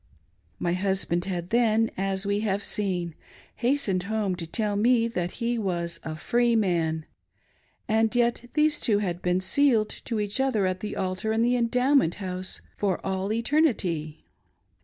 My husband had then, as we have seen, hastened home to tell me that he was "a free man:" — and yet these two had been " sealed " to each other at the altar in the Endowment House "for all eternity